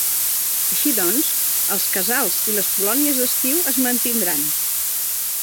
Així doncs, els casals i les colònies d’estiu es mantindran.